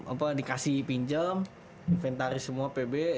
apa dikasih pinjam inventaris semua pb